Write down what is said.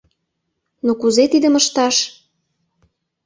— Но кузе тидым ышташ?